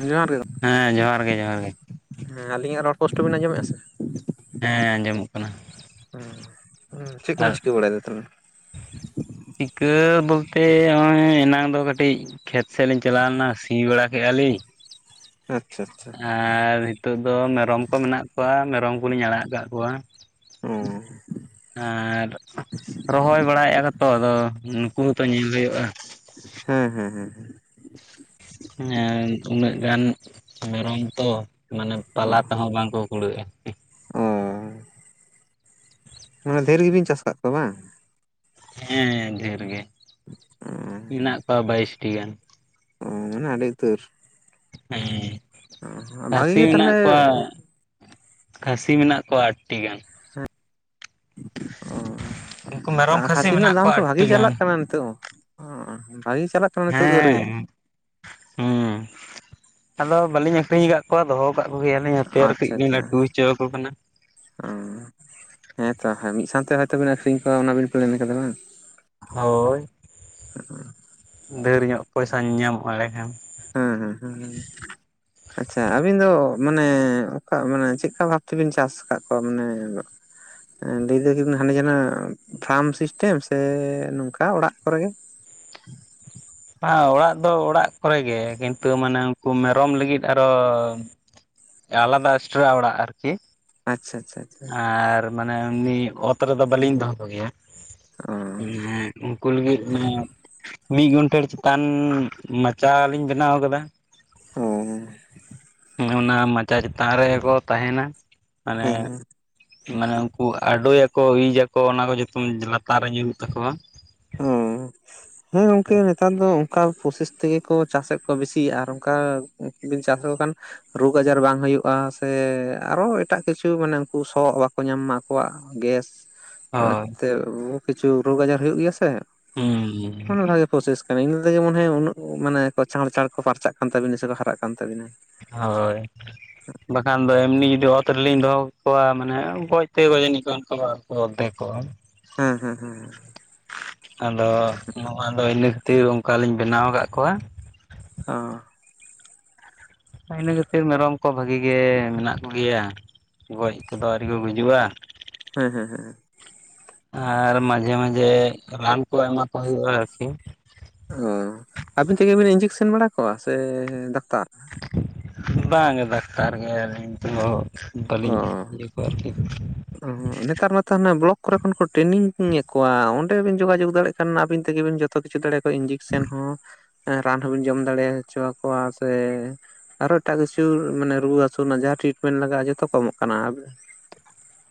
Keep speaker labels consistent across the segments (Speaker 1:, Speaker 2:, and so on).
Speaker 1: ᱡᱚᱦᱟᱨ ᱜᱮ,
Speaker 2: ᱦᱮᱸ ᱡᱚᱦᱟᱨ ᱜᱮ, ᱡᱚᱦᱟᱨ ᱜᱮ
Speaker 1: ᱦᱮᱸ ᱟᱹᱞᱤᱧᱟᱜ ᱨᱚᱲ ᱯᱳᱥᱴᱚ ᱵᱤᱱ ᱟᱸᱡᱚᱢᱮᱫᱼᱟ ᱥᱮ?
Speaker 2: ᱦᱮᱸ ᱟᱸᱡᱚᱢᱚᱜ ᱠᱟᱱᱟ
Speaker 1: ᱦᱩᱸ ᱩᱸ, ᱪᱮᱫ ᱠᱚᱢ
Speaker 2: ᱟᱨ
Speaker 1: ᱪᱤᱠᱟᱹ ᱵᱟᱲᱟᱭ ᱫᱟ ᱛᱟᱞᱦᱮ?
Speaker 2: ᱪᱤᱠᱟᱹ ᱵᱚᱞᱛᱮ ᱱᱚᱜᱼᱚᱭ ᱮᱱᱟᱝ ᱫᱚ ᱠᱟᱹᱴᱤᱡ ᱠᱷᱮᱛ ᱥᱮᱫ ᱞᱤᱧ ᱪᱟᱞᱟᱣ ᱞᱮᱱᱟ ᱥᱤ ᱵᱟᱲᱟ ᱠᱮᱫᱼᱟᱞᱤᱧ ᱾
Speaker 1: ᱟᱪᱪᱷᱟ ᱟᱪᱪᱷᱟ।
Speaker 2: ᱟᱨ ᱱᱤᱛᱚᱜ ᱫᱚ ᱢᱮᱨᱚᱢ ᱠᱚ ᱢᱮᱱᱟᱜ ᱠᱚᱣᱟ ᱢᱮᱨᱚᱢ ᱠᱚᱞᱤᱧ ᱟᱲᱟᱜ ᱟᱠᱟᱫ ᱠᱚᱣᱟ।
Speaker 1: ᱚᱻ
Speaker 2: ᱟᱨ ᱨᱚᱦᱚᱭ ᱵᱟᱲᱟᱭᱮᱫ ᱟᱠᱚᱛᱚ ᱟᱫᱚ ᱱᱩᱠᱩ ᱦᱚᱸᱛᱚ ᱧᱮᱞ ᱦᱩᱭᱩᱜᱼᱟ ᱾
Speaker 1: ᱦᱮ, ᱸ ᱦᱮᱸ, ᱦᱮᱸ, ᱦᱮᱸ।
Speaker 2: ᱟᱨ ᱩᱱᱟᱹᱜ ᱜᱟᱱ ᱢᱮᱨᱚᱢ ᱛᱚ ᱢᱟᱱᱮ ᱯᱟᱞᱟ ᱛᱮᱦᱚᱸ ᱵᱟᱝᱠᱚ ᱠᱩᱲᱟᱹᱜᱼᱟ ᱾
Speaker 1: ᱚᱻ ᱢᱟᱱᱮ ᱫᱷᱮᱨ ᱜᱮᱵᱤᱱ ᱪᱟᱥ ᱟᱠᱟᱫ ᱠᱚᱣᱟ ᱵᱟᱝ?
Speaker 2: ᱦᱮᱸ ᱰᱷᱮᱨ ᱜᱮ, ᱢᱮᱱᱟᱜ ᱠᱚᱣᱟ ᱵᱟᱭᱤᱥᱴᱤ ᱜᱟᱱ ᱾
Speaker 1: ᱚ ᱢᱟᱱᱮ ᱟᱹᱰᱤ ᱩᱛᱟᱹᱨ᱾
Speaker 2: ᱦᱮᱸ
Speaker 1: ᱵᱷᱟᱜᱤ
Speaker 2: ᱠᱷᱟᱹᱥᱤ
Speaker 1: ᱜᱮ ᱛᱟᱦᱚᱞᱮ
Speaker 2: ᱢᱮᱱᱟᱜ ᱠᱚᱣᱟ ᱠᱷᱟᱹᱥᱤ ᱢᱮᱱᱟᱜ ᱠᱚᱣᱟ ᱟᱴᱴᱤ ᱜᱟᱱ᱾ ᱩᱱᱠᱩ
Speaker 1: ᱚ
Speaker 2: ᱢᱮᱨᱚᱢ
Speaker 1: ᱟᱨ ᱠᱷᱟᱹᱥᱤ ᱨᱮᱱᱟᱜ
Speaker 2: ᱢᱮᱱᱟᱜ
Speaker 1: ᱫᱟᱢ
Speaker 2: ᱠᱚᱣᱟ
Speaker 1: ᱛᱚ
Speaker 2: ᱟᱴᱴᱤ
Speaker 1: ᱵᱷᱟᱜᱤ
Speaker 2: ᱜᱟᱱ
Speaker 1: ᱪᱟᱞᱟᱜ ᱠᱟᱱᱟ ᱱᱤᱛᱚᱜ ᱦᱚᱸ᱾ ᱚ ᱵᱷᱟᱜᱤ ᱪᱟᱞᱟᱜ ᱠᱟᱱᱟ ᱱᱤᱛᱚᱜ ᱫᱚ ᱨᱮᱴ
Speaker 2: ᱦᱮᱸ ᱦᱩᱸ ᱟᱫᱚ ᱵᱟᱹᱞᱤᱧ ᱟᱠᱷᱨᱤᱧ ᱟᱠᱟᱫ ᱠᱚᱣᱟ ᱫᱚᱦᱚ [unintelligible] ᱠᱚᱜᱮᱭᱟᱞᱤᱧ ᱦᱟᱯᱮ ᱟᱨ ᱠᱟᱹᱴᱤᱡ ᱞᱤᱧ ᱞᱟᱹᱴᱩ ᱦᱚᱪᱚ ᱟᱠᱚ ᱠᱟᱱᱟ᱾
Speaker 1: ᱚᱸᱻ ᱦᱮᱸ ᱛᱚ ᱢᱤᱫ ᱥᱟᱶᱛᱮ ᱦᱚᱭ ᱛᱳ ᱵᱤᱱ ᱟᱹᱠᱷᱨᱤᱧ ᱠᱚᱣᱟ ᱚᱱᱟᱵᱤᱱ ᱯᱞᱮᱱ ᱠᱟᱫᱟ ᱵᱟᱝ?
Speaker 2: ᱦᱳᱭ ᱰᱷᱮᱨ ᱧᱚᱜ ᱯᱚᱭᱥᱟ ᱧᱟᱢᱚᱜᱼᱟ ᱮᱲᱮᱠᱷᱟᱱ᱾
Speaker 1: ᱦᱮᱸ, ᱦᱩᱸ ᱦᱩᱸ ᱦᱩᱸᱻ ᱟᱪᱪᱷᱟ ᱟᱵᱤᱱ ᱫᱚ ᱢᱟᱱᱮ ᱚᱠᱟ ᱢᱟᱱᱮ ᱪᱮᱫᱠᱟ ᱵᱷᱟᱵᱛᱮᱵᱤᱱ ᱪᱟᱥ ᱟᱠᱟᱫ ᱠᱚᱣᱟ? ᱢᱟᱱᱮ ᱞᱟᱹᱭ ᱫᱟᱹᱠᱤᱱ ᱦᱟᱸᱱᱮ ᱡᱮᱱᱚ ᱯᱷᱟᱨᱢ ᱥᱤᱥᱴᱮᱢ ᱥᱮ ᱱᱚᱝᱠᱟ ᱚᱲᱟᱜ ᱠᱚᱨᱮ ᱜᱮ?
Speaker 2: ᱵᱟ ᱚᱲᱟᱜ ᱫᱚ ᱚᱲᱟᱜ ᱠᱚᱨᱮ ᱜᱮ ᱠᱤᱱᱛᱩ ᱢᱟᱱᱮ ᱩᱱᱠᱩ ᱢᱮᱨᱚᱢ ᱞᱟᱹᱜᱤᱫ ᱟᱨᱚ ᱟᱞᱟᱫᱟ ᱮᱴᱨᱟ ᱚᱲᱟᱜ ᱟᱨᱠᱤ᱾
Speaker 1: ᱟᱪᱪᱷᱟ ᱟᱪᱷᱟ
Speaker 2: ᱟᱨ ᱢᱟᱱᱮ ᱮᱢᱱᱤ ᱚᱛ ᱨᱮᱫᱚ ᱵᱟᱞᱤᱧ ᱫᱚᱦᱚ ᱠᱚ ᱜᱮᱭᱟ ᱩᱱᱠᱩ ᱞᱟᱹᱜᱤᱫ ᱢᱟᱱᱮ ᱢᱤᱫ ᱜᱚᱱᱴᱷᱮᱲ ᱪᱮᱛᱟᱱ ᱢᱟᱪᱟ ᱞᱤᱧ ᱵᱮᱱᱟᱣ ᱟᱠᱟᱫᱟ᱾
Speaker 1: ᱚᱸᱻ
Speaker 2: ᱚᱱᱟ ᱢᱟᱪᱟ ᱪᱮᱛᱟᱱ ᱨᱮᱜᱮ ᱠᱚ ᱛᱟᱦᱮᱱᱟ ᱢᱟᱱᱮ
Speaker 1: ᱦᱮᱸ
Speaker 2: ᱢᱟᱱᱮ ᱩᱱᱠᱩ ᱟᱰᱳᱭᱟᱠᱚ ᱤᱡ ᱟᱠᱚ ᱚᱱᱟ ᱠᱚ ᱡᱚᱛᱚᱢ ᱞᱟᱛᱟᱨ ᱨᱮ ᱧᱩᱨᱩᱜ ᱛᱟᱠᱚᱣᱟ᱾
Speaker 1: ᱚᱸᱻ ᱦᱮᱸ ᱜᱚᱝᱠᱮ ᱱᱮᱛᱟᱨ ᱫᱚ ᱚᱱᱠᱟ ᱯᱨᱚᱥᱮᱥ ᱛᱮᱜᱮ ᱠᱚ ᱪᱟᱥᱮᱫ ᱠᱚᱣᱟ ᱵᱤᱥᱤ, ᱟᱨ ᱚᱱᱠᱟ ᱵᱤᱱ ᱪᱟᱥ ᱞᱮᱠᱚ ᱠᱷᱟᱱ ᱨᱳᱜᱽ ᱟᱡᱟᱨ ᱵᱟᱝ ᱦᱩᱭᱩᱜᱼᱟ, ᱥᱮ ᱟᱨᱚ ᱮᱴᱟᱜ ᱠᱤᱪᱷᱩ ᱢᱟᱱᱮ ᱩᱱᱠᱩ ᱥᱚ ᱵᱟᱠᱚ ᱧᱟᱢ ᱢᱟ ᱟᱠᱚᱣᱟᱜ᱾ ᱜᱮᱥ
Speaker 2: ᱦᱳᱭ
Speaker 1: ᱮᱛᱮ ᱵᱩᱦᱩ ᱠᱤᱪᱷᱩ ᱨᱳᱜᱽ ᱟᱡᱟᱨ ᱦᱩᱭᱩᱜ ᱜᱮᱭᱟ ᱥᱮ
Speaker 2: ᱦᱩᱸ
Speaker 1: ᱢᱟᱱᱮ ᱵᱷᱟᱜᱮ ᱯᱨᱳᱥᱮᱥ ᱠᱟᱱᱟ ᱤᱱᱟᱹ ᱛᱮᱜᱮ ᱩᱱᱟᱹᱜ ᱢᱚᱱᱮ ᱩᱱᱟᱹᱜ ᱢᱟᱱᱮ ᱠᱚ ᱪᱟᱬ ᱪᱟᱬ ᱠᱚ ᱯᱟᱨᱪᱟᱜ ᱠᱟᱱ ᱛᱟᱵᱤᱱᱟ ᱥᱮᱠᱚ ᱦᱟᱨᱟᱜ ᱠᱟᱱ ᱛᱟᱵᱤᱱᱟ᱾
Speaker 2: ᱦᱳᱭ ᱵᱟᱠᱷᱟᱱ ᱫᱚ ᱮᱢᱱᱤ ᱡᱩᱫᱤ ᱚᱛ ᱨᱮᱞᱤᱧ ᱫᱚᱦᱚ ᱠᱟᱠᱚᱣᱟ ᱢᱟᱱᱮ ᱜᱚᱡ ᱛᱮ ᱜᱚᱡ ᱟᱹᱱᱤᱡ ᱠᱟᱱ ᱠᱚᱣᱟ ᱚᱫᱫᱷᱮᱠ ᱠᱚᱜ-ᱟ
Speaker 1: ᱦᱮᱸ, ᱦᱮᱸ, ᱦᱮᱸ,
Speaker 2: ᱟᱫᱚ ᱱᱚᱣᱟ ᱫᱚ ᱤᱱᱟᱹ ᱠᱷᱟᱹᱛᱤᱨ ᱚᱱᱠᱟᱞᱤᱧ ᱵᱮᱱᱟᱣ ᱟᱠᱟᱫ ᱠᱚᱣᱟ
Speaker 1: ᱚ
Speaker 2: ᱤᱱᱟᱹ ᱠᱷᱟᱹᱛᱤᱨ ᱢᱮᱨᱚᱢ ᱠᱚ ᱵᱷᱟᱹᱜᱤ ᱜᱮ ᱢᱮᱱᱟᱜ ᱠᱚᱜᱮᱭᱟ, ᱜᱚᱡ ᱠᱚᱫᱚ ᱟᱹᱣᱨᱤ ᱠᱚ ᱜᱩᱡᱩᱜᱼᱟ᱾
Speaker 1: ᱦᱳᱭ, ᱦᱳᱭ, ᱦᱳᱭ
Speaker 2: ᱟᱨ ᱢᱟᱡᱷᱮ ᱢᱟᱡᱷᱮ ᱨᱟᱱ ᱠᱚ ᱮᱢᱟ ᱠᱚ ᱦᱩᱭᱩᱜᱼᱟ ᱟᱨᱠᱤ᱾
Speaker 1: ᱚ ᱟᱹᱵᱤᱱ ᱛᱮᱜᱮ ᱵᱤᱱ ᱤᱧᱡᱮᱠᱥᱮᱱ ᱵᱟᱲᱟ ᱠᱚᱣᱟ ᱥᱮ ᱰᱟᱠᱛᱟᱨ?
Speaker 2: ᱵᱟᱝ ᱰᱟᱠᱛᱟᱨ ᱜᱮ ᱟᱹᱞᱤᱧ ᱫᱚ
Speaker 1: ᱚ
Speaker 2: ᱵᱟᱹᱞᱤᱧ ᱤᱭᱟᱹ ᱠᱚᱣᱟ ᱟᱨᱠᱤ
Speaker 1: ᱱᱮᱛᱟᱨ ᱢᱟᱛᱚ ᱦᱟᱱᱟ ᱵᱞᱚᱠ ᱠᱚᱨᱮ ᱠᱷᱚᱱ ᱠᱚ ᱴᱨᱮᱱᱤᱝ-ᱮ ᱠᱚᱣᱟ ᱚᱸᱰᱮ ᱵᱤᱱ ᱡᱳᱜᱟᱡᱳᱜᱽ ᱫᱟᱲᱮᱭᱟᱜ ᱠᱟᱱᱟ ᱟᱹᱵᱤᱱ ᱛᱮᱜᱮᱵᱤᱱ ᱡᱚᱛᱚ ᱡᱚᱛᱚ ᱠᱤᱪᱷᱩ ᱫᱟᱲᱮᱚᱣᱟ ᱤᱧᱡᱮᱠᱥᱮᱱ ᱦᱚᱸ ᱨᱟᱱ ᱦᱚᱸᱵᱤᱱ ᱡᱚᱢ ᱫᱟᱲᱮ ᱦᱚᱪᱚ ᱟᱠᱠᱚᱣᱟ ᱥᱮ ᱟᱨᱚ ᱮᱴᱟᱜ ᱠᱤᱪᱷᱩ ᱢᱟᱱᱮ ᱨᱩᱣᱟᱹ ᱦᱟᱹᱥᱩ ᱨᱮᱱᱟᱜ ᱡᱟᱦᱟᱸ ᱴᱨᱤᱴᱢᱮᱱᱴ ᱞᱟᱜᱟᱜᱼᱟ ᱡᱚᱛᱚ ᱠᱚ ᱮᱢᱚᱜ ᱠᱟᱱᱟ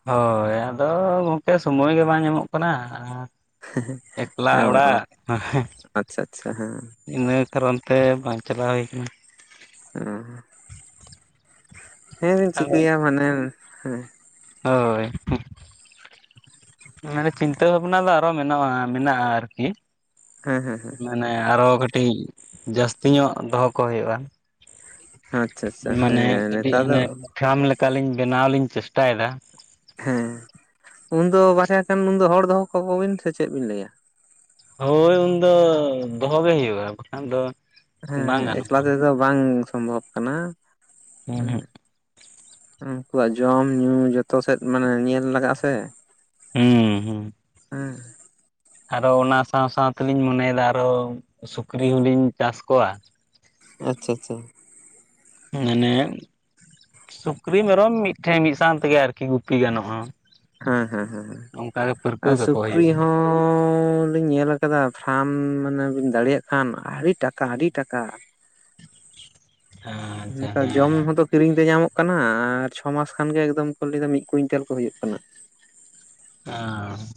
Speaker 2: ᱦᱳᱭ ᱟᱫᱚ ᱜᱚᱢᱠᱮ ᱥᱚᱢᱚᱭ ᱜᱮ ᱵᱟᱝ ᱧᱟᱢᱚᱜ ᱠᱟᱱᱟ ᱮᱠᱞᱟ
Speaker 1: ᱚ
Speaker 2: ᱚᱲᱟᱜ
Speaker 1: ᱟᱪᱪᱷᱟ ᱟᱪᱪᱷᱟ ᱦᱮᱸ
Speaker 2: ᱤᱱᱟᱹ ᱠᱟᱨᱚᱱ ᱛᱮ ᱵᱟᱝ ᱪᱟᱞᱟᱣ ᱦᱩᱭ ᱠᱟᱱᱟ᱾
Speaker 1: ᱚ ᱦᱮᱸᱵᱱ
Speaker 2: ᱟᱫᱚ
Speaker 1: ᱪᱤᱠᱟᱹᱭᱟ ᱢᱟᱱᱮ ᱦᱮᱸ᱾
Speaker 2: ᱦᱳᱭ
Speaker 1: [inaudible]
Speaker 2: ᱢᱟᱱᱮ ᱪᱤᱱᱛᱟᱹ ᱵᱷᱟᱵᱱᱟ ᱫᱚ ᱟᱨᱚ ᱢᱮᱱᱟᱜᱼᱟ, ᱢᱮᱱᱟᱜᱼᱟ ᱟᱨᱠᱤ ᱾
Speaker 1: ᱦᱮᱸ ᱦᱮᱸ ᱦᱮᱸ ᱾
Speaker 2: ᱢᱟᱱᱮ ᱟᱨᱦᱚ ᱠᱟᱹᱴᱤᱡ ᱡᱟᱹᱥᱛᱤ ᱧᱚᱜ ᱫᱚᱦᱚ ᱠᱚ ᱦᱩᱭᱩᱜᱼᱟ᱾
Speaker 1: ᱟᱪᱪᱷᱟ ᱟᱪᱪᱷᱟ
Speaker 2: ᱢᱟᱱᱮ
Speaker 1: ᱦᱮᱸ
Speaker 2: ᱠᱟᱹᱴᱤᱡ
Speaker 1: ᱱᱮᱛᱟᱨ ᱫᱚ
Speaker 2: ᱦᱟᱱᱮ ᱯᱷᱨᱟᱢ ᱞᱮᱠᱟᱞᱤᱧ ᱵᱮᱱᱟᱣ ᱞᱤᱧ ᱪᱮᱥᱴᱟᱭᱮᱫᱟ᱾
Speaker 1: ᱦᱮᱸ ᱩᱱᱫᱚ ᱵᱟᱨᱭᱟ ᱜᱟᱱ ᱩᱱᱫᱚ ᱦᱚᱲ ᱫᱚᱦᱚ ᱠᱟᱠᱚ ᱵᱤᱱ ᱥᱮ ᱪᱮᱫ ᱵᱤᱱ ᱞᱟᱹᱭᱟ ᱾
Speaker 2: ᱦᱳᱭ ᱩᱱᱫᱚ ᱫᱚᱦᱚ ᱜᱮ ᱦᱩᱭᱩᱜᱼᱟ, ᱵᱟᱠᱷᱟᱱ ᱫᱚ
Speaker 1: ᱦᱮᱸ
Speaker 2: ᱵᱟᱝ
Speaker 1: ᱦᱮᱸ ᱮᱠᱞᱟ
Speaker 2: ᱜᱟᱱᱚᱜᱼᱟ
Speaker 1: ᱛᱮᱫᱚ ᱵᱟᱝ ᱥᱚᱢᱵᱷᱚᱵ ᱠᱟᱱᱟ ᱦᱮᱸ᱾
Speaker 2: ᱦᱩᱸ
Speaker 1: ᱩᱱᱠᱩᱣᱟᱜ ᱡᱚᱢ ᱧᱩ ᱡᱚᱛᱚ ᱥᱮᱫ ᱢᱟᱱᱮ ᱧᱮᱞ ᱞᱟᱜᱟᱜ ᱟ ᱥᱮ ᱾
Speaker 2: ᱦᱩᱸ ᱦᱩᱸ ᱾
Speaker 1: ᱦᱮᱸ᱾
Speaker 2: ᱟᱨᱚ ᱚᱱᱟ ᱥᱟᱶ ᱥᱟᱶ ᱛᱮᱞᱤᱧ ᱢᱚᱱᱮᱭᱮᱫᱟ ᱟᱨᱚ ᱥᱩᱠᱨᱤ ᱦᱚᱞᱤᱧ ᱪᱟᱥ ᱠᱚᱣᱟ ᱾
Speaker 1: ᱟᱪᱪᱷᱟ ᱟᱪᱪᱷᱟ᱾
Speaker 2: ᱢᱟᱱᱮ ᱥᱩᱠᱨᱤ ᱢᱮᱨᱚᱢ ᱢᱤᱫᱴᱷᱮᱱ ᱢᱤᱫ ᱥᱟᱶ ᱛᱮᱜᱮ ᱟᱨᱠᱤ ᱜᱩᱯᱤ ᱜᱟᱱᱚᱜᱼᱟ᱾
Speaker 1: ᱦᱮᱸ ᱦᱮᱸ ᱦᱮᱸ
Speaker 2: ᱚᱱᱠᱟᱜᱮ ᱯᱟᱹᱨᱠᱟᱹᱣ
Speaker 1: ᱟᱨ
Speaker 2: ᱠᱟᱠᱚ
Speaker 1: ᱥᱩᱠᱨᱤ
Speaker 2: ᱦᱩᱭᱩᱜᱼᱟ
Speaker 1: ᱦᱚᱸ ᱦᱚᱻ ᱞᱤᱧ ᱧᱮᱞ ᱟᱠᱟᱫᱟ ᱯᱷᱨᱟᱢ ᱢᱟᱱᱮ ᱵᱤᱱ ᱫᱟᱲᱮᱭᱟᱜ ᱠᱷᱟᱱ ᱟᱹᱰᱤ ᱴᱟᱠᱟ ᱟᱹᱰᱤ ᱴᱟᱠᱟ᱾
Speaker 2: ᱟᱪᱪᱷᱟ
Speaker 1: ᱱᱮᱛᱟᱨ ᱡᱚᱢ
Speaker 2: ᱦᱮᱸ ᱾
Speaker 1: ᱦᱚᱸᱛᱚ ᱠᱤᱨᱤᱧ ᱛᱮ ᱧᱟᱢᱚᱜ ᱠᱟᱱᱟ ᱟᱨ ᱪᱷᱚ ᱢᱟᱥ ᱠᱷᱟᱱ ᱜᱮ ᱮᱠᱫᱚᱢ ᱠᱚ ᱞᱟᱹᱭ ᱫᱚ ᱢᱤᱫ ᱠᱩᱭᱤᱱᱴᱮᱞ ᱠᱚ ᱦᱩᱭᱩᱜ ᱠᱟᱱᱟ ᱾
Speaker 2: [unintelligible]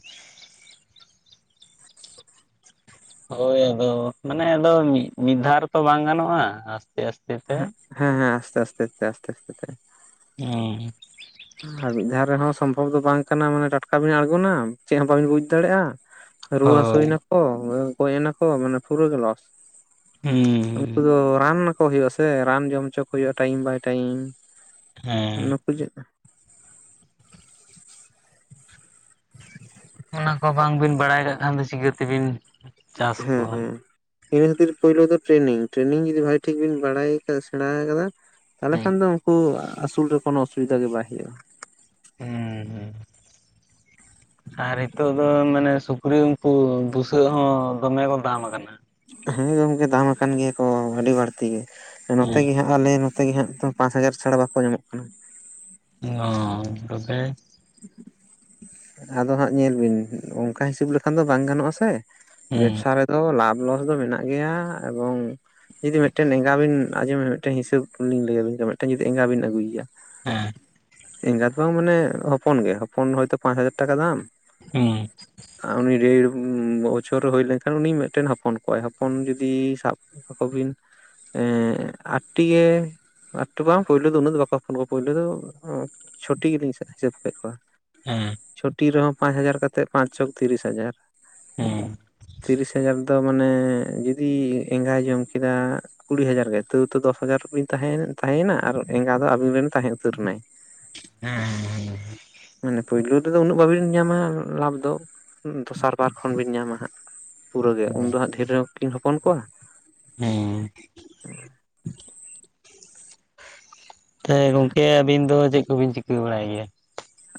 Speaker 2: ᱦᱳᱭ ᱟᱫᱚ ᱢᱟᱱᱮ ᱟᱫᱚ ᱢᱤᱫ ᱢᱤᱫ ᱫᱷᱟᱣ ᱨᱮ ᱛᱚ ᱵᱟᱝ ᱜᱟᱱᱚᱜᱼᱟ ᱟᱥᱛᱮ ᱟᱥᱛᱮ ᱛᱮ ᱾
Speaker 1: ᱦᱮᱸ ᱦᱮᱸ ᱟᱥᱛᱮ ᱟᱥᱛᱮ ᱟᱥᱛᱮ ᱟᱥᱛᱮ ᱛᱮ ᱾
Speaker 2: ᱦᱩᱸ ᱾
Speaker 1: ᱟᱨ ᱢᱤᱫ ᱫᱷᱟᱣ ᱨᱮᱦᱚᱸ ᱥᱚᱢᱵᱷᱚᱵᱽ ᱫᱚ ᱵᱟᱝ ᱠᱟᱱᱟ ᱢᱟᱱᱮ ᱴᱟᱴᱠᱟ ᱵᱤᱱ ᱟᱲᱜᱚᱱᱟ ᱪᱮᱫ ᱦᱚᱸ ᱵᱟᱵᱤᱱ ᱵᱩᱡ ᱫᱟᱲᱮᱭᱟᱜᱼᱟ ᱾ ᱨᱩᱣᱟᱹ
Speaker 2: ᱦᱳᱭ
Speaker 1: ᱦᱟᱹᱥᱩᱭ ᱱᱟᱠᱚ ᱜᱚᱡ ᱱᱟᱠᱚ ᱢᱟᱱᱮ ᱯᱩᱨᱟᱹ ᱜᱮ ᱞᱚᱥ ᱾
Speaker 2: ᱦᱩ ᱾
Speaker 1: ᱩᱱᱠᱩ ᱫᱚ ᱨᱟᱱ ᱟᱠᱚ ᱦᱩᱭᱩᱜᱼᱟ ᱥᱮ ᱨᱟᱱ ᱡᱚᱢ ᱦᱚᱪᱚ ᱠᱚ ᱦᱩᱭᱩᱜᱼᱟ ᱴᱟᱭᱤᱢ ᱵᱟᱭ ᱴᱟᱭᱤᱢ
Speaker 2: ᱦᱮᱸ
Speaker 1: ᱾ ᱯᱩᱡᱟᱹᱜ
Speaker 2: ᱚᱱᱟ ᱠᱚ ᱵᱟᱝᱵᱤᱱ ᱵᱟᱲᱟᱭ ᱠᱟᱜ ᱠᱷᱟᱱ ᱫᱚ ᱪᱤᱠᱟᱹᱛᱮᱵᱤᱱ ᱪᱟᱥ
Speaker 1: ᱦᱮᱸ
Speaker 2: ᱠᱚᱣᱟ
Speaker 1: ᱦᱮᱸ ᱾ ᱤᱱᱟᱹ ᱠᱷᱟᱹᱛᱤᱨ ᱯᱳᱭᱞᱳ ᱫᱚ ᱴᱨᱮᱱᱤᱝ ᱴᱨᱮᱱᱤᱝ ᱡᱩᱫᱤ ᱵᱷᱟᱜ ᱴᱷᱤᱠ ᱵᱤᱱ ᱵᱟᱲᱟᱭ ᱠᱟ ᱥᱮᱬᱟ ᱟᱠᱟᱫᱟ᱾ ᱛᱟᱦᱚᱞᱮ
Speaker 2: ᱦᱮᱸ
Speaker 1: ᱠᱷᱟᱱ ᱫᱚ ᱩᱱᱠᱩ ᱟᱹᱥᱩᱞ ᱨᱮ ᱠᱳᱱᱳ ᱚᱥᱩᱵᱤᱫᱷᱟ ᱜᱮ ᱵᱟᱭ ᱦᱩᱭᱩᱜ ᱟᱭ ᱾
Speaker 2: ᱦᱩᱸ
Speaker 1: [inaudible]
Speaker 2: ᱟᱨ ᱱᱤᱛᱚᱜ ᱫᱚ ᱢᱟᱱᱮ ᱥᱩᱠᱨᱤ ᱩᱱᱠᱩ ᱵᱩᱥᱟᱹᱜ ᱦᱚᱸ ᱫᱚᱢᱮ ᱠᱚ ᱫᱟᱢ ᱟᱠᱟᱱᱟ ᱾
Speaker 1: ᱦᱮᱸ ᱜᱚᱝᱠᱮ ᱫᱟᱢ ᱟᱠᱟᱱ ᱜᱮᱭᱟ ᱠᱚ ᱟᱹᱰᱤ ᱵᱟᱹᱲᱛᱤ ᱜᱮ ᱱᱚᱛᱮ ᱜᱮ
Speaker 2: ᱦᱮᱸ
Speaker 1: ᱦᱟᱜ ᱟᱞᱮ ᱱᱚᱛᱮ ᱜᱮ ᱦᱟᱜ ᱯᱟᱸᱪ ᱦᱟᱡᱟᱨ ᱪᱷᱟᱲᱟ ᱵᱟᱠᱚ ᱧᱟᱢᱚᱜ ᱠᱟᱱᱟ᱾
Speaker 2: ᱚ ᱛᱚᱵᱮ
Speaker 1: ᱟᱫᱚ ᱦᱟᱸᱜ ᱧᱮᱞ ᱵᱤᱱ ᱚᱱᱠᱟ ᱦᱤᱥᱟᱹᱵ ᱞᱮᱠᱷᱟᱱ ᱫᱚ ᱵᱟᱝ ᱜᱟᱱᱚᱜᱼᱟ ᱥᱮ᱾
Speaker 2: ᱦᱮᱸ
Speaker 1: ᱵᱮᱵᱽᱥᱟ ᱨᱮᱫᱚ ᱞᱟᱵᱷ ᱞᱚᱥ ᱫᱚ ᱢᱮᱱᱟᱜ ᱜᱮᱭᱟ, ᱮᱵᱚᱝ ᱡᱩᱫᱤ ᱢᱤᱫᱴᱮᱱᱟᱝ ᱮᱸᱜᱟ ᱵᱤᱱᱸᱡᱚᱢ ᱢᱤᱫᱴ ᱦᱤᱥᱟᱹᱵ ᱞᱤᱧ ᱞᱟᱹᱭᱟᱵᱤᱱ ᱜᱮ ᱢᱩᱫᱴᱟᱝ ᱡᱩᱫᱤ ᱮᱸᱜᱟ ᱵᱤᱱ ᱟᱹᱜᱩᱭᱮᱭᱟ᱾
Speaker 2: ᱦᱮᱸ᱾
Speaker 1: ᱮᱸᱜᱟᱛ ᱵᱟᱝ ᱢᱟᱱᱮ ᱦᱚᱯᱚᱱ ᱜᱮ ᱦᱚᱯᱚᱱ ᱦᱚᱭᱛᱳ ᱯᱟᱸᱪ ᱦᱟᱡᱟᱨ ᱴᱟᱠᱟ ᱫᱟᱢ᱾
Speaker 2: ᱦᱮᱸ᱾
Speaker 1: ᱩᱱᱤ ᱰᱮᱲ ᱵᱚᱪᱷᱚᱨ ᱦᱩᱭ ᱞᱮᱱᱠᱷᱟᱱ ᱩᱱᱤ ᱢᱤᱫᱴᱮᱱ ᱦᱚᱯᱚᱱ ᱠᱚᱣᱟᱭ᱾ ᱦᱚᱯᱚᱱ ᱡᱩᱫᱤ ᱥᱟᱵ ᱟᱠᱚ ᱵᱤᱱ ᱮᱸ ᱟᱴᱴᱤ ᱜᱮ ᱟᱴᱴᱤ ᱵᱟᱝ ᱯᱳᱭᱞᱳ ᱫᱚ ᱩᱱᱟᱹᱜ ᱫᱚ ᱵᱟᱠᱚ ᱦᱚᱯᱚᱱ ᱠᱚᱣᱟ, ᱯᱳᱭᱞᱳ ᱫᱚ ᱪᱷᱚᱴᱤ ᱜᱮᱞᱤᱧ ᱦᱤᱥᱟᱹᱵᱽ ᱠᱮᱫ ᱠᱚᱣᱟ᱾
Speaker 2: ᱦᱮᱸ᱾
Speaker 1: ᱪᱷᱚᱴᱤ ᱨᱮᱦᱚᱸ ᱯᱟᱸᱪ ᱦᱟᱡᱟᱨ ᱠᱟᱛᱮᱫ, ᱯᱟᱸᱪ ᱪᱷᱚᱠ ᱛᱤᱨᱤᱥ ᱦᱟᱡᱟᱨ
Speaker 2: ᱦᱮᱸ
Speaker 1: ᱛᱤᱨᱤᱥ ᱦᱟᱡᱟᱨ ᱫᱚ ᱢᱟᱱᱮ ᱡᱩᱫᱤ ᱮᱸᱜᱟᱭ ᱡᱚᱢ ᱠᱮᱫᱟ ᱠᱩᱲᱤ ᱦᱟᱡᱟᱨ ᱜᱮ ᱛᱟᱹᱣ ᱛᱚ ᱫᱚᱥ ᱦᱟᱡᱟᱨ ᱵᱤᱱ ᱛᱟᱸᱦᱮᱭᱮᱱᱟ ᱛᱟᱸᱦᱮᱭᱮᱱᱟ ᱟᱨ ᱮᱸᱜᱟ ᱫᱚ ᱟᱵᱤᱱ ᱨᱮᱱ ᱛᱟᱸᱦᱮ ᱩᱛᱟᱹᱨ ᱮᱱᱟᱭ᱾
Speaker 2: ᱦᱮᱸ᱾
Speaker 1: ᱢᱟᱱᱮ ᱯᱩᱭᱞᱩ ᱨᱮᱫᱚ ᱩᱱᱟᱹᱜ ᱵᱟᱹᱵᱤᱱ ᱧᱟᱢᱟ ᱞᱟᱵᱷ ᱫᱚ, ᱫᱚᱥᱟᱨ ᱵᱟᱨ ᱠᱷᱚᱱ ᱵᱤᱱ ᱧᱟᱢᱟ ᱦᱟᱸᱜ᱾ ᱯᱩᱨᱟᱹ ᱜᱮ, ᱩᱱᱫᱚ ᱦᱟᱸᱜ ᱰᱷᱮᱨ ᱧᱚᱜ ᱠᱤᱱ ᱦᱚᱯᱚᱱ ᱠᱚᱣᱟ᱾
Speaker 2: ᱦᱮᱸ᱾ ᱛᱮ ᱜᱚᱝᱠᱮ ᱟᱹᱵᱤᱱ ᱫᱚ ᱪᱮᱫ ᱠᱚᱵᱤᱱ ᱪᱤᱠᱟᱹ ᱵᱟᱲᱟᱭ ᱜᱮᱭᱟ?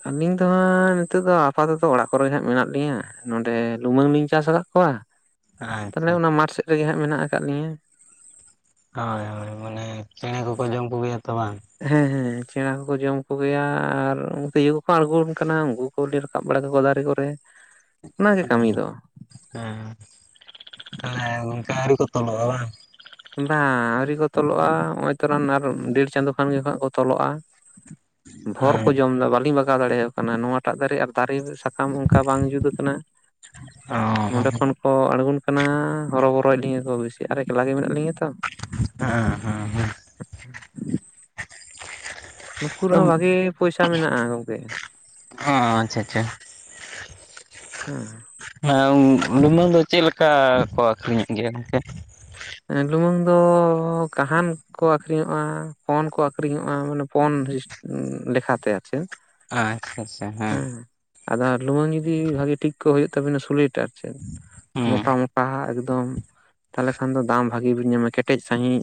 Speaker 1: ᱟᱹᱞᱤᱧ ᱫᱚ ᱦᱟᱸᱜ ᱱᱤᱛᱚᱜ ᱫᱚ ᱟᱯᱟᱛᱚᱛᱚ ᱚᱲᱟᱜ ᱠᱚᱨᱮ ᱦᱟᱸᱜ ᱢᱮᱱᱟᱜ ᱞᱤᱧᱟ᱾ ᱱᱚᱸᱰᱮ ᱞᱩᱢᱟᱹᱝ ᱞᱤᱧ ᱪᱟᱥ ᱟᱠᱟᱫ ᱠᱚᱣᱟ, ᱛᱟᱞᱦᱮ
Speaker 2: ᱟᱪᱪᱷᱟ
Speaker 1: ᱚᱱᱟ ᱢᱟᱴᱷ ᱥᱮᱫ ᱨᱮᱜᱮ ᱦᱟᱸᱜ ᱢᱮᱱᱟᱜ ᱟᱠᱟᱫ ᱞᱤᱧᱟ᱾
Speaker 2: ᱦᱚᱭ ᱦᱚᱭ ᱢᱟᱱᱮ ᱪᱮᱬᱮ ᱠᱚᱠᱚ ᱡᱚᱢ ᱠᱚ ᱜᱮᱭᱟ ᱛᱚ ᱵᱟᱝ᱾
Speaker 1: ᱦᱮᱸ ᱦᱮᱸ ᱪᱮᱬᱮ ᱠᱚᱠᱚ ᱡᱚᱢ ᱠᱚᱜᱮᱭᱟ ᱟᱨ ᱩᱱ ᱛᱤᱡᱩ ᱠᱚᱠᱚ ᱟᱬᱜᱚᱱ ᱠᱟᱱᱟ ᱩᱱᱠᱩ ᱠᱩᱞᱤᱧ ᱨᱟᱠᱟᱵ ᱵᱟᱲᱟ ᱠᱟᱠᱚᱣᱟ ᱫᱟᱨᱮ ᱠᱚᱨᱮ᱾ ᱚᱱᱟᱜᱮ ᱠᱟᱹᱢᱤ ᱫᱚ
Speaker 2: [unintelligible] ᱦᱮᱸ ᱛᱟᱦᱞᱮ ᱚᱱᱠᱟ ᱟᱹᱣᱨᱤ ᱠᱚ ᱛᱚᱞᱚᱜᱼᱟ ᱵᱟᱝ?
Speaker 1: ᱵᱟᱝ ᱟᱹᱣᱨᱤ ᱠᱚ ᱛᱚᱞᱚᱜᱼᱟ, ᱦᱚᱸᱜᱼᱚᱭ ᱛᱚᱨᱟᱱ ᱟᱨ ᱰᱮᱹᱲ ᱪᱟᱸᱫᱳ ᱠᱷᱟᱱ ᱜᱮ ᱠᱚ ᱛᱚᱞᱚᱜᱼᱟ᱾ ᱵᱷᱳᱨ ᱠᱚ
Speaker 2: ᱦᱮᱸ
Speaker 1: ᱡᱚᱢ ᱫᱟ, ᱵᱟᱹᱞᱤᱧ ᱵᱟᱜᱟᱣ ᱫᱟᱲᱮᱭᱟᱠᱚ ᱠᱟᱱᱟ ᱱᱚᱣᱟᱴᱟᱜ ᱫᱟᱨᱮ ᱟᱨ ᱫᱟᱨᱮ ᱥᱟ ᱠᱟᱢ ᱚᱱᱠᱟ ᱵᱟᱝ ᱡᱩᱛ ᱟᱠᱟᱱᱟ, ᱱᱚᱰᱮ
Speaker 2: ᱦᱮᱸ
Speaker 1: ᱠᱷᱚᱱ ᱠᱚ ᱟᱬᱜᱚᱱ ᱠᱟᱱᱟ ᱦᱚᱨᱚᱵᱚᱨᱚᱭᱮᱫ ᱞᱤᱧᱟᱹ ᱠᱚ ᱵᱤᱥᱤ ᱟᱨ ᱮᱠᱞᱟ ᱜᱮ ᱢᱮᱱᱟᱜ ᱞᱤᱧᱟᱹ ᱛᱚ᱾
Speaker 2: ᱦᱮᱸ ᱦᱮᱸ ᱦᱮᱸ᱾
Speaker 1: ᱱᱩᱠᱩ ᱨᱮᱦᱚᱸ ᱵᱷᱟᱜᱮ ᱯᱚᱭᱥᱟ ᱢᱮᱱᱟᱜᱼᱟ ᱜᱚᱝᱠᱮ᱾
Speaker 2: ᱚ ᱟᱪᱪᱷᱟᱼᱪᱷᱟ᱾
Speaker 1: ᱦᱮᱸ᱾
Speaker 2: ᱦᱮᱸ ᱞᱩᱢᱟᱹᱝ ᱫᱚ ᱪᱮᱫ ᱞᱮᱠᱟ ᱠᱚ ᱟᱹᱠᱷᱨᱤᱧᱚᱜ ᱜᱮᱭᱟ ᱜᱚᱝᱠᱮ?
Speaker 1: ᱮᱸ ᱞᱩᱢᱟᱹᱝ ᱫᱚ ᱠᱟᱦᱟᱱ ᱠᱚ ᱟᱠᱷᱨᱤᱧᱚᱜᱼᱟ, ᱯᱚᱱ ᱠᱚ ᱟᱹᱠᱷᱨᱤᱧᱚᱜᱼᱟ ᱢᱟᱱᱮ ᱯᱚᱱ ᱥᱤᱥ ᱞᱮᱠᱷᱟᱛᱮ ᱟᱨ ᱪᱮᱫ᱾
Speaker 2: ᱟᱪᱪᱷᱟ-ᱪᱷᱟ ᱦᱮᱸ᱾
Speaker 1: ᱟᱫᱚ ᱞᱩᱢᱟᱹᱝ ᱡᱩᱫᱤ ᱵᱷᱟᱜᱮ ᱴᱷᱤᱠ ᱠᱚ ᱦᱩᱭᱩᱜ ᱛᱟᱵᱤᱱᱟ ᱥᱩᱞᱤᱴ ᱟᱨ ᱪᱮᱫ ᱢᱚᱴᱟ ᱢᱚᱴᱟ ᱮᱠᱫᱚᱢ᱾ ᱛᱟᱦᱚᱞᱮ ᱠᱷᱟᱱ ᱫᱚ ᱫᱟᱢ ᱵᱷᱟᱜᱤ ᱵᱚᱱ ᱧᱟᱢᱟ, ᱠᱮᱴᱮᱡ ᱥᱟᱸᱦᱤᱡ᱾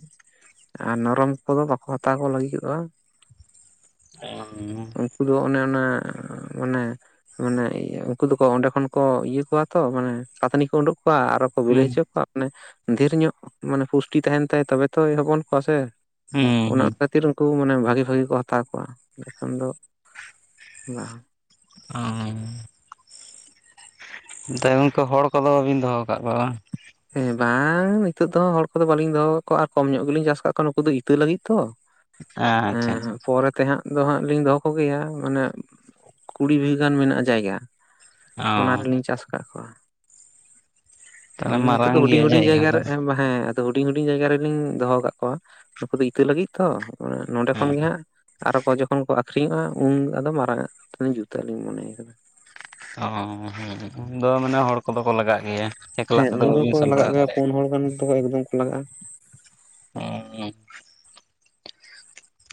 Speaker 1: ᱟᱨ ᱱᱚᱨᱚᱢ ᱠᱚᱫᱚ ᱵᱟᱠᱚ ᱦᱟᱛᱟᱣ ᱠᱚ ᱞᱟᱹᱜᱤᱫᱚᱜᱼᱟ᱾
Speaker 2: ᱚᱸᱻ᱾
Speaker 1: ᱩᱱᱠᱩ ᱫᱚ ᱚᱱᱮ ᱚᱱᱟ ᱢᱟᱱᱮ ᱢᱟᱱᱮ ᱩᱱᱠᱩ ᱫᱚᱠᱚ ᱚᱸᱰᱮ ᱠᱷᱚᱱ ᱠᱚ ᱤᱭᱟᱹ ᱠᱚᱣᱟ ᱛᱚ ᱢᱟᱱᱮ ᱯᱟᱛᱱᱤ ᱠᱚ ᱩᱸᱰᱩᱸᱜ ᱠᱚᱣᱟ ᱟᱨᱚ ᱵᱤᱞᱤ
Speaker 2: ᱦᱩᱸ
Speaker 1: ᱦᱚᱪᱚ ᱠᱚᱣᱟ ᱢᱟᱱᱮ ᱫᱷᱮᱨ ᱧᱚᱜ ᱢᱟᱱᱮ ᱯᱩᱥᱴᱤ ᱛᱟᱦᱮᱱ ᱛᱟᱭᱟ ᱛᱚᱵᱮ ᱛᱚᱭ ᱦᱚᱯᱚᱱ ᱠᱚᱣᱟ ᱥᱮ᱾
Speaker 2: ᱦᱩᱸ
Speaker 1: ᱚᱱᱟ
Speaker 2: ᱦᱩᱸ
Speaker 1: [unintelligible] ᱠᱷᱟᱹᱛᱤᱨ ᱩᱱᱠᱩ ᱢᱟᱱᱮ ᱵᱷᱟᱜᱮ ᱵᱷᱟᱜᱮ ᱠᱚ ᱦᱟᱛᱟᱣ ᱠᱚᱣᱟ, ᱵᱟᱠᱷᱟᱱ ᱫᱚ ᱵᱟᱝ᱾
Speaker 2: ᱚᱸᱻ᱾ ᱛᱟᱭ ᱜᱚᱝᱠᱮ ᱦᱚᱲ ᱠᱚᱫᱚ ᱵᱟᱹᱵᱤᱱ ᱫᱚᱦᱚ ᱟᱠᱟᱫ ᱠᱚᱣᱟ ᱵᱟᱝ?
Speaker 1: ᱦᱮᱸ ᱵᱟᱝᱻ ᱱᱤᱛᱚᱜ ᱫᱚ ᱦᱚᱲ ᱠᱚᱫᱚ ᱵᱟᱹᱞᱤᱧ ᱫᱚᱦᱚᱣ ᱠᱟᱜ ᱠᱚᱣᱟ ᱟᱨ ᱠᱚᱢ ᱧᱚᱜ ᱜᱮᱞᱤᱧ ᱪᱟᱥ ᱟᱠᱟᱫ ᱠᱚᱣᱟ ᱱᱩᱠᱩ ᱫᱚ ᱤᱛᱟᱹ ᱞᱟᱹᱜᱤᱫ ᱛᱚ᱾
Speaker 2: ᱟᱪᱪᱷᱟ ᱟᱪᱪᱷᱟ
Speaker 1: ᱮᱸᱻ ᱯᱚᱨᱮ ᱛᱮ ᱦᱟᱸᱜ ᱟᱫᱚ ᱦᱟᱸᱜ ᱞᱤᱧ ᱫᱚᱦᱚ ᱠᱚᱜᱮᱭᱟ, ᱢᱟᱱᱮ ᱠᱩᱲᱤ ᱵᱤᱜᱷᱟᱹ ᱜᱟᱱ ᱢᱮᱱᱟᱜᱼᱟ ᱡᱟᱭᱜᱟ᱾ ᱚᱱᱟ
Speaker 2: ᱚ
Speaker 1: ᱨᱮᱞᱤᱧ ᱪᱟᱥ ᱠᱟᱫ ᱠᱚᱣᱟ᱾
Speaker 2: ᱛᱟᱦᱚᱞᱮ
Speaker 1: ᱢᱟᱱᱮ ᱱᱤᱛᱚᱜ ᱫᱚ
Speaker 2: ᱢᱟᱨᱟᱝ
Speaker 1: ᱦᱩᱰᱤᱧ
Speaker 2: ᱜᱮᱭᱟ
Speaker 1: ᱦᱩᱰᱤᱧ ᱡᱟᱭᱜᱟ
Speaker 2: ᱫᱚ
Speaker 1: ᱮ ᱵᱟᱝ ᱾ ᱦᱮᱸ ᱟᱫᱚ ᱦᱩᱰᱤᱧ ᱦᱩᱰᱤᱧ ᱡᱟᱭᱜᱟ ᱨᱮᱞᱤᱧ ᱫᱚᱦᱚ ᱟᱠᱟᱫ ᱠᱚᱣᱟ, ᱱᱩᱠᱩ ᱫᱚ ᱤᱛᱟᱹ ᱞᱟᱹᱜᱤᱫ ᱛᱚ ᱾ ᱱᱚᱰᱮ ᱠᱷᱚᱱ ᱜᱮ ᱦᱟᱸᱜ ᱟᱨᱚ ᱡᱚᱠᱷᱚᱱ ᱠᱚ ᱟᱠᱷᱨᱤᱧᱚᱜᱼᱟ, ᱩᱱ ᱟᱫᱚ ᱢᱟᱨᱟᱝᱼᱟ ᱡᱩᱛᱟᱹᱜ ᱞᱤᱧ ᱢᱚᱱᱮᱭ ᱟᱠᱟ ᱾
Speaker 2: ᱚ ᱦᱚᱸ ᱩᱱ ᱫᱚ ᱢᱟᱱᱮ ᱦᱚᱲ ᱠᱚᱫᱚ ᱠᱚ ᱞᱟᱜᱟᱜ ᱜᱮᱭᱟ ᱾
Speaker 1: ᱦᱮᱸ ᱩᱱ ᱫᱚᱠᱚ ᱞᱟᱜᱟᱜ ᱜᱮᱭᱟ, ᱯᱩᱱ ᱦᱚᱲ ᱜᱟᱱ ᱫᱚ ᱮᱠᱫᱚᱢ ᱠᱚ ᱞᱟᱜᱟᱜᱼᱟ ᱾
Speaker 2: ᱚᱸ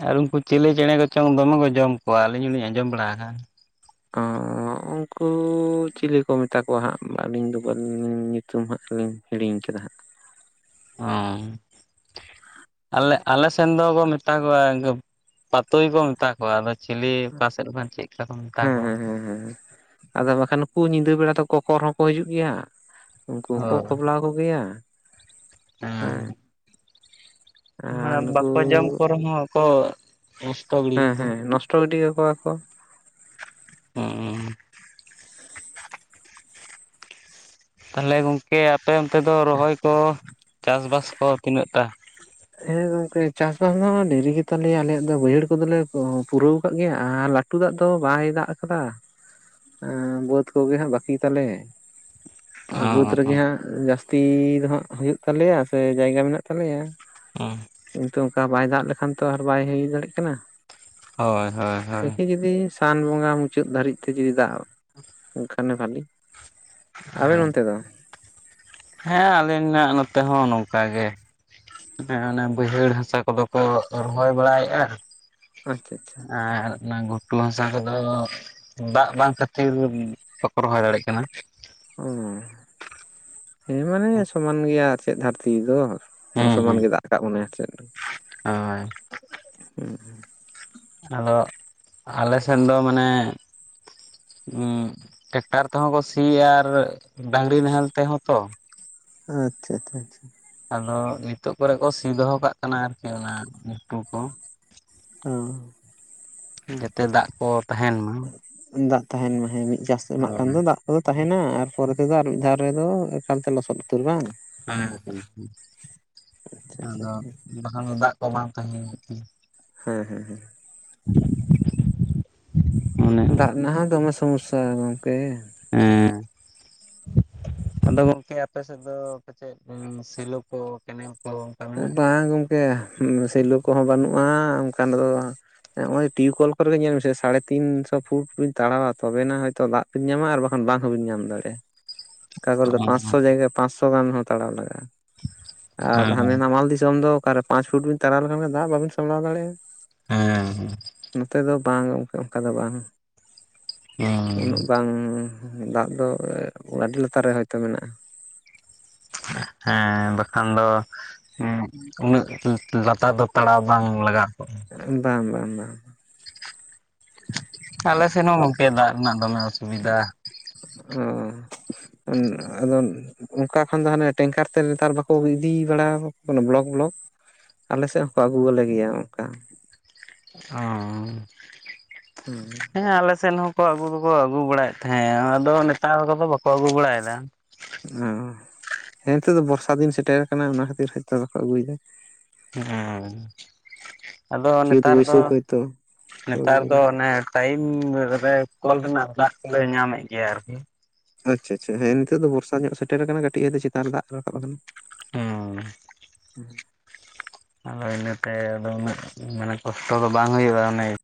Speaker 2: ᱟᱨ ᱩᱱᱠᱩ ᱪᱤᱞᱤ ᱪᱮᱬᱮ ᱠᱚᱪᱚᱝ ᱫᱚᱢᱮ ᱠᱚ ᱡᱚᱢ ᱠᱚᱣᱟ, ᱟᱹᱞᱤᱧ ᱦᱚᱸᱞᱤᱧ ᱟᱸᱡᱚᱢ ᱵᱟᱲᱟᱠᱟᱜᱼᱟ ᱾
Speaker 1: ᱚᱸᱻ ᱦᱚᱜᱼᱩᱱᱠᱩ ᱪᱤᱞᱤ ᱠᱚ ᱢᱮᱛᱟ ᱠᱚᱣᱟ ᱦᱟᱸᱜ, ᱟᱹᱞᱤᱧ ᱫᱚ ᱵᱟᱞᱤᱧ ᱧᱩᱛᱩᱢ ᱦᱟᱸᱜ ᱞᱤᱧ ᱦᱤᱲᱤᱧ ᱠᱮᱫᱟ ᱦᱟᱸᱜ ᱾
Speaker 2: ᱦᱚᱸ ᱟᱞᱮ, ᱟᱞᱮ ᱥᱮᱱ ᱫᱚᱠᱚ ᱢᱮᱛᱟ ᱠᱚᱣᱟ ᱯᱟᱛᱩᱭ ᱠᱚ ᱢᱮᱛᱟ ᱠᱚᱣᱟ ᱾ ᱚ ᱟᱫᱚ ᱪᱤᱞᱤ ᱚᱠᱟ ᱥᱮᱫ ᱠᱚ ᱪᱮᱫ ᱞᱮᱠᱟ ᱠᱚ ᱢᱮᱛᱟ
Speaker 1: ᱦᱮᱸ
Speaker 2: ᱠᱚᱣᱟ
Speaker 1: ᱦᱮᱸ
Speaker 2: ᱾
Speaker 1: ᱦᱮᱸ ᱦᱮᱸ ᱾ ᱟᱫᱚ ᱵᱟᱠᱷᱟᱱ ᱱᱩᱠᱩ ᱧᱤᱫᱟᱹ ᱵᱮᱲᱟ ᱫᱚ ᱠᱚᱠᱚᱨ ᱦᱚᱸᱠᱚ ᱦᱤᱡᱩᱜ ᱜᱮᱭᱟ, ᱩᱱᱠᱩ
Speaker 2: ᱚ
Speaker 1: ᱦᱚᱸᱠᱚ ᱠᱷᱚᱵᱞᱟᱣ ᱠᱚᱜᱮᱭᱟ ᱾
Speaker 2: ᱦᱮᱸ ᱾
Speaker 1: ᱟᱨ
Speaker 2: ᱢᱟᱱᱮ
Speaker 1: ᱱᱩᱠᱩ
Speaker 2: ᱵᱟᱠᱚ ᱡᱚᱢ ᱠᱚ ᱨᱮᱦᱚᱸ ᱠᱚ ᱚᱥᱼᱼ
Speaker 1: ᱦᱮᱸ ᱦᱮᱸ ᱱᱚᱥᱴᱚ ᱜᱤᱰᱤ ᱠᱟᱠᱚᱣᱟ ᱠᱚ ᱾
Speaker 2: ᱦᱚᱜᱼᱚ ᱛᱟᱦᱚᱞᱮ ᱜᱚᱝᱠᱮ ᱟᱯᱮ ᱚᱱᱛᱮ ᱫᱚ ᱨᱚᱦᱚᱭ ᱠᱚ, ᱪᱟᱥ ᱵᱟᱥ ᱠᱚ ᱛᱤᱱᱟᱹᱜᱴᱟ?
Speaker 1: ᱦᱮᱸ ᱜᱚᱝᱠᱮ ᱪᱟᱥ ᱵᱟᱥ ᱫᱚ ᱫᱮᱨᱤ ᱜᱮ ᱛᱟᱞᱮᱭᱟ, ᱟᱞᱮᱭᱟᱜ ᱫᱚ ᱵᱟᱹᱭᱦᱟᱹᱲ ᱠᱚᱫᱚᱞᱮ ᱯᱩᱨᱟᱹᱣ ᱟᱠᱟᱫ ᱜᱮᱭᱟ ᱟᱨ ᱞᱼᱼ ᱞᱟᱹᱴᱩ ᱫᱟᱜ ᱫᱚ ᱵᱟᱭ ᱫᱟᱜ ᱟᱠᱟᱫᱟ ᱾ ᱵᱟᱹᱫᱽ ᱠᱚᱜᱮ ᱦᱟᱸᱜ ᱵᱟᱹᱠᱤ ᱛᱟᱞᱮ ᱾ ᱟᱨ
Speaker 2: ᱚ
Speaker 1: ᱵᱟᱹᱫᱽ
Speaker 2: ᱚ
Speaker 1: ᱨᱮᱜᱮ ᱦᱟᱸᱜ ᱡᱟᱹᱥᱛᱤ ᱫᱚ ᱦᱟᱸᱜ ᱦᱩᱭᱩᱜ ᱛᱟᱞᱮᱭᱟ, ᱥᱮ ᱡᱟᱭᱜᱟ ᱢᱮᱱᱟᱜ ᱛᱟᱞᱮᱭᱟ ᱾
Speaker 2: ᱦᱚᱸ
Speaker 1: ᱠᱤᱱᱛᱩ ᱚᱱᱠᱟ ᱵᱟᱭ ᱫᱟᱜ ᱞᱮᱠᱷᱟᱱ ᱛᱚ ᱟᱨ ᱵᱟᱭ ᱦᱩᱭ ᱫᱟᱲᱮᱭᱟᱜ ᱠᱟᱱᱟ
Speaker 2: ᱦᱳᱭ ᱦᱳᱭ
Speaker 1: ᱾
Speaker 2: ᱦᱳᱭ
Speaker 1: ᱫᱮᱠᱤ ᱡᱩᱫᱤᱼᱼ ᱥᱟᱱ ᱵᱚᱸᱜᱟ ᱢᱩᱪᱟᱹᱫ ᱫᱷᱟᱹᱨᱤᱡ ᱛᱮ ᱡᱩᱫᱤ ᱫᱟᱜ ᱮᱱᱠᱷᱟᱱᱮ ᱵᱷᱟᱞᱤ ᱾ ᱟᱵᱮᱱ ᱚᱱᱛᱮ ᱫᱚ?
Speaker 2: ᱦᱮᱸ ᱟᱹᱞᱤᱧᱟᱜ ᱱᱚᱛᱮ ᱦᱚᱸ ᱱᱚᱝᱠᱟ ᱜᱮ ᱾ ᱦᱮᱸ ᱚᱱᱮ ᱵᱟᱹᱭᱦᱟᱹᱲ ᱦᱟᱥᱟ ᱠᱚᱫᱚ ᱠᱚ ᱨᱚᱦᱚᱭ ᱵᱟᱲᱟᱭᱮᱫᱼᱟ ᱾
Speaker 1: ᱟᱪᱪᱷᱟ ᱟᱪᱪᱷᱟ ᱾
Speaker 2: ᱟᱨ ᱚᱱᱟ ᱜᱷᱩᱴᱩ ᱦᱟᱥᱟ ᱠᱚᱫᱚᱼᱼ ᱫᱟᱜ ᱵᱟᱝ ᱠᱷᱟᱹᱛᱤᱨ ᱵᱟᱠᱚ ᱨᱚᱦᱚᱭ ᱫᱟᱲᱮᱭᱟᱜ ᱠᱟᱱᱟ ᱾
Speaker 1: ᱚ ᱦᱮᱸ ᱢᱟᱱᱮ ᱥᱚᱢᱟᱱ ᱜᱮᱭᱟ ᱟᱨ ᱪᱮᱫ ᱫᱷᱟᱹᱨᱛᱤ ᱫᱚ ᱾
Speaker 2: ᱦᱩᱸ
Speaker 1: ᱥᱚᱢᱟᱱ
Speaker 2: ᱦᱩᱸ
Speaker 1: ᱜᱮ ᱫᱟᱜ ᱠᱟᱜ ᱵᱚᱱᱟᱭᱟ ᱪᱮᱫ
Speaker 2: ᱦᱳᱭ
Speaker 1: ᱦᱮᱸ ᱾
Speaker 2: ᱟᱫᱚ ᱟᱞᱮ ᱥᱮᱱ ᱫᱚ ᱢᱟᱱᱮᱼᱼ ᱩ ᱴᱮᱠᱴᱟᱨ ᱛᱮᱦᱚᱸ ᱠᱚ ᱥᱤᱭᱟ ᱟᱨ ᱰᱟᱝᱨᱤ ᱱᱟᱦᱮᱞ ᱛᱮᱦᱚᱸ ᱛᱚ ᱾
Speaker 1: ᱟᱪᱪᱷᱟ ᱟᱪᱪᱷᱟ ᱟᱪᱪᱷᱟ ᱾
Speaker 2: ᱟᱫᱚ ᱱᱤᱛᱚᱜ ᱠᱚᱨᱮ ᱠᱚ ᱥᱤ ᱫᱚᱦᱚ ᱠᱟᱜ ᱠᱟᱱᱟ, ᱟᱨᱠᱤ ᱚᱱᱟ ᱜᱷᱩᱴᱩ ᱠᱚ ᱾
Speaker 1: ᱚ
Speaker 2: ᱡᱟᱛᱮ ᱫᱟᱜ ᱠᱚ ᱛᱟᱦᱮᱱ ᱢᱟ ᱾
Speaker 1: ᱫᱟᱜ ᱛᱟᱦᱮᱱ ᱢᱟ ᱦᱮᱸ ᱢᱤᱫ ᱪᱟᱥ ᱮᱢᱟᱜ ᱠᱷᱟᱱ ᱫᱚ ᱫᱟᱜᱼᱼ ᱫᱚ ᱛᱟᱦᱮᱱᱟ, ᱟᱨ ᱯᱚᱨᱮ ᱛᱮᱫᱚ ᱟᱨ ᱢᱤᱫ ᱫᱷᱟᱣ ᱨᱮᱫᱚ ᱮᱠᱟᱞ ᱛᱮ ᱞᱚᱥᱚᱫ ᱩᱛᱟᱹᱨ ᱵᱟᱝ ᱾
Speaker 2: ᱦᱮᱸ
Speaker 1: ᱟᱪᱪᱷᱟ
Speaker 2: ᱦᱮᱸ
Speaker 1: ᱟᱪᱪᱷᱟ
Speaker 2: ᱟᱫᱚ ᱵᱟᱠᱷᱟᱱ ᱫᱚ ᱫᱟᱜ ᱠᱚ ᱵᱟᱝ ᱛᱟᱦᱮᱱᱼᱼ
Speaker 1: ᱦᱮᱸ ᱦᱮᱸ ᱦᱮᱸ ᱾
Speaker 2: ᱚᱱᱮ
Speaker 1: ᱫᱟᱜ
Speaker 2: ᱚᱱᱠᱟ
Speaker 1: ᱨᱮᱱᱟᱜ ᱦᱚᱸ ᱫᱚᱢᱮ ᱥᱚᱢᱚᱥᱟ ᱜᱚᱝᱠᱮ ᱾
Speaker 2: ᱮᱸᱻ ᱾ ᱟᱫᱚ ᱜᱚᱝᱠᱮ, ᱟᱯᱮ ᱥᱮᱫ ᱫᱚ, ᱯᱟᱪᱮᱫ, ᱥᱤᱞᱚ ᱠᱚ ᱠᱮᱱᱮᱞ ᱠᱚ ᱚᱱᱠᱟ
Speaker 1: ᱵᱟᱝ ᱜᱚᱢᱠᱮ, ᱥᱮᱞᱚ ᱠᱚᱦᱚᱸ ᱵᱟᱹᱱᱩᱜᱼᱟ, ᱚᱱᱠᱟᱱ ᱫᱚ ᱵᱟᱝ ᱮᱸᱜᱻᱮ ᱱᱚᱜ ᱚᱭ, ᱴᱤᱭᱩᱵᱮᱞ ᱠᱚᱨᱮ ᱜᱮ, ᱧᱮᱞ ᱢᱮᱥᱮ, ᱥᱟᱲᱮ ᱛᱤᱱᱥᱚ ᱯᱷᱩᱴ ᱵᱤᱱ ᱛᱟᱲᱟᱣᱟ, ᱛᱚᱵᱮ ᱮᱱᱟ, ᱦᱚᱭᱛᱳ ᱫᱟᱜ ᱵᱮᱱ ᱧᱟᱢᱟ, ᱟᱨ ᱵᱟᱠᱷᱟᱱ ᱵᱟᱝ ᱦᱚᱸ, ᱵᱮᱱ ᱧᱟᱢ ᱫᱟᱲᱮᱭᱟᱜᱼᱟ ᱾ ᱚᱠᱟ ᱜᱚᱨᱮ ᱫᱚ, ᱯᱟᱸᱪ
Speaker 2: ᱢᱮᱱᱟᱜᱼᱟ?
Speaker 1: ᱥᱚ ᱡᱟᱭᱜᱟ ᱯᱟᱸᱪ ᱥᱚ ᱜᱟᱱ ᱦᱚᱸ, ᱛᱟᱲᱟᱣ ᱞᱟᱜᱟᱜᱼᱟ ᱾ ᱟᱨ ᱦᱟᱱᱮ ᱱᱟᱢᱟᱞ ᱫᱤᱥᱚᱢ ᱫᱚ ᱚᱠᱟᱨᱮ, ᱯᱟᱸᱪᱚ ᱯᱷᱩᱴ ᱵᱤᱱ ᱛᱟᱨᱟᱣ ᱞᱮᱠᱷᱟᱱ, ᱫᱟᱜ ᱵᱟᱵᱤᱱ ᱥᱟᱢᱲᱟᱣ ᱫᱟᱲᱮᱭᱟᱜᱼᱟ ᱾
Speaker 2: ᱦᱮᱸᱻ ᱦᱮᱸ ᱾
Speaker 1: ᱱᱚᱛᱮ ᱫᱚ ᱵᱟᱝ, ᱚᱱᱠᱟ ᱫᱚ ᱵᱟᱝ,
Speaker 2: ᱦᱮᱸ
Speaker 1: ᱩᱱᱟᱹᱜ ᱵᱟᱝ, ᱫᱟᱜ ᱫᱚ ᱚᱼ ᱟᱹᱰᱤ ᱞᱟᱛᱟᱨ ᱨᱮ, ᱦᱚᱭᱛᱳ ᱢᱮᱱᱟᱜᱼᱟ ᱾
Speaker 2: [unintelligible] ᱦᱮᱸᱻᱵᱟᱠᱷᱟᱱ ᱫᱚ? ᱦᱩᱸ, ᱩᱱᱟᱹᱜ ᱩ ᱞᱟᱛᱟᱨ ᱫᱚ, ᱛᱟᱲᱟᱣ ᱵᱟᱝ ᱞᱟᱜᱟᱣ ᱠᱚᱜᱼᱟ ᱾
Speaker 1: ᱵᱟᱝ, ᱵᱟᱝ ᱵᱟᱝ ᱾
Speaker 2: [unintelligible] ᱟᱞᱮ ᱥᱮᱱ ᱦᱚᱸ ᱜᱚᱢᱠᱮ, ᱫᱟᱜ ᱨᱮᱱᱟᱜ, ᱫᱚᱢᱮ ᱚᱥᱩᱵᱤᱫᱷᱟ ᱾
Speaker 1: ᱚᱸᱻ ᱚᱱᱼᱟᱫᱚ ᱚᱱᱠᱟ ᱠᱷᱚᱱ ᱫᱚ, ᱦᱟᱱᱮ, ᱴᱮᱝᱠᱟᱨ ᱛᱮ ᱱᱮᱛᱟᱨ ᱵᱟᱠᱚ, ᱤᱫᱤ ᱵᱟᱲᱟ ᱟᱵᱚ ᱠᱟᱱᱟ, ᱵᱞᱚᱠ ᱵᱞᱚᱠ ᱾ ᱟᱞᱮ ᱥᱮᱫ ᱦᱚᱸᱠᱚ, ᱟᱹᱜᱩ ᱣᱟᱞᱮ ᱜᱮᱭᱟ, ᱚᱱᱠᱟ
Speaker 2: ᱳᱸᱻ ᱾
Speaker 1: ᱦᱩᱸᱻ ᱾
Speaker 2: ᱦᱮᱸ ᱟᱞᱮ ᱥᱮᱫ ᱦᱚᱸᱠᱚ, ᱟᱹᱜᱩ ᱫᱚᱠᱚ, ᱟᱹᱜᱩ ᱵᱟᱲᱟᱭᱮᱫ ᱛᱟᱦᱮᱸᱫ, ᱟᱫᱚ, ᱱᱮᱛᱟᱨ ᱠᱚᱫᱚ, ᱵᱟᱠᱚ ᱟᱹᱜᱩ ᱵᱟᱲᱟᱭᱮᱫᱟ ᱾
Speaker 1: ᱦᱚᱸ, ᱦᱮᱸ, ᱱᱤᱛᱳ ᱫᱚ, ᱵᱚᱨᱥᱟ ᱫᱤᱱ ᱥᱮᱴᱮᱨ ᱟᱠᱟᱱᱟ ᱾ ᱚᱱᱟ ᱠᱷᱟᱹᱛᱤᱨ, ᱦᱚᱭ ᱛᱚ, ᱵᱟᱠᱚ ᱟᱹᱜᱩ ᱭᱮᱫᱟ ᱾
Speaker 2: ᱦᱮᱸᱻ! ᱟᱫᱚ,
Speaker 1: ᱪᱟᱹᱛ
Speaker 2: ᱱᱮᱛᱟᱨ ᱫᱚ,
Speaker 1: ᱵᱟᱹᱭᱥᱟᱹᱠᱷ ᱦᱚᱭᱛᱳ
Speaker 2: ᱱᱮᱛᱟᱨ
Speaker 1: ᱟᱹᱜᱩ
Speaker 2: ᱫᱚ ᱚᱱᱮ ᱴᱟᱭᱤᱢ ᱨᱮ, ᱠᱚᱞ ᱨᱮᱱᱟᱜ ᱫᱟᱜ ᱠᱚᱞᱮ, ᱧᱟᱢᱮᱫ ᱜᱮᱭᱟ, ᱟᱨᱠᱤ ᱾
Speaker 1: ᱟᱪᱪᱷᱟ ᱟᱪᱪᱷᱟ ᱾ ᱦᱮᱸ, ᱱᱤᱛᱚᱜ ᱫᱚ ᱵᱷᱚᱨᱥᱟ ᱧᱚᱜ, ᱥᱮᱴᱮᱨ ᱟᱠᱟᱱᱟ ᱾ ᱠᱟᱹᱴᱤᱡ ᱫᱚ, ᱪᱮᱛᱟᱱ ᱨᱮ, ᱫᱟᱜ ᱨᱟᱠᱟᱵ ᱟᱠᱟᱱᱟ ᱾
Speaker 2: ᱳᱸᱻ ᱾ ᱮᱭ ᱤᱱᱟᱹᱛᱮ, ᱟᱫᱚ ᱩᱱᱟᱹᱜ, ᱢᱟᱱᱮ, ᱠᱚᱥᱴᱚ ᱫᱚ, ᱵᱟᱝ ᱦᱩᱭᱩᱜᱼᱟ ᱾ ᱚᱱᱮ